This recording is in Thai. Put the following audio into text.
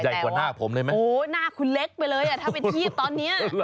กว่าหน้าผมเลยไหมโอ้โหหน้าคุณเล็กไปเลยอ่ะถ้าเป็นทีบตอนเนี้ย